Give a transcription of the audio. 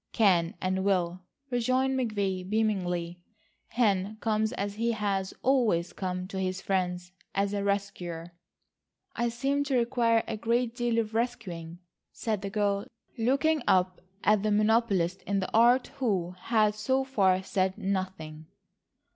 "Can and will," rejoined McVay beamingly. "Hen comes as he has always come to his friends, as a rescuer." "I seem to require a great deal of rescuing," said the girl, looking up at the monopolist in the art who had so far said nothing.